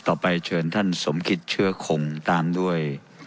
ต่อไปเชิญท่านสมคิตเชื้อคงตามด้วย